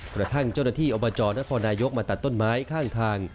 กระทั่งเจ้าหน้าที่อบจนครนายกมาตัดต้นไม้ข้างทาง